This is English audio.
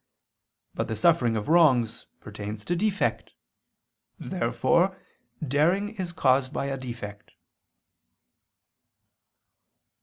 But the suffering of wrongs pertains to defect. Therefore daring is caused by a defect.